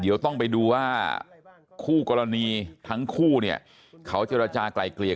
เดี๋ยวต้องไปดูว่าคู่กรณีทั้งคู่เนี่ยเขาเจรจากลายเกลี่ย